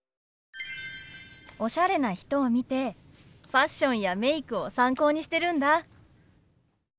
おしゃれな人を見てファッションやメイクを参考にしてるんだ。